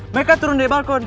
mereka turun dari balkon